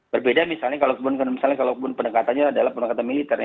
berbeda misalnya kalau pendekatannya adalah pendekatan militer